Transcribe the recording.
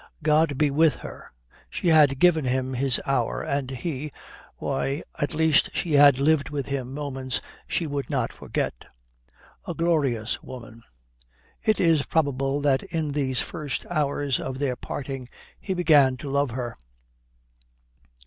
God be with her! She had given him his hour. And he why, at least she had lived with him moments she would not forget. A glorious woman. It is probable that in these first hours of their parting he began to love her.